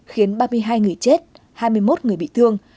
khiến ba mươi hai người chết hai mươi một người bị thương